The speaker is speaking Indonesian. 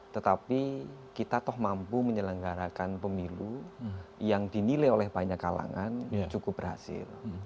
tetapi kita toh mampu menyelenggarakan pemilu yang dinilai oleh banyak kalangan cukup berhasil